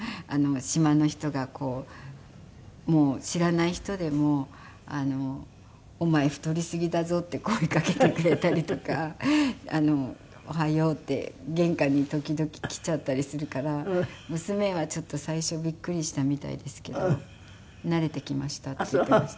島の人が知らない人でも「お前太りすぎだぞ」って声かけてくれたりとか「おはよう」って玄関に時々来ちゃったりするから娘はちょっと最初びっくりしたみたいですけど慣れてきましたって言っていました。